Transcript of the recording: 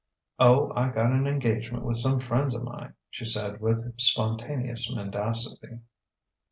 "Oh, I got an engagement with some friends of mine," she said with spontaneous mendacity.